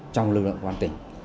trong lực lượng quán tỉnh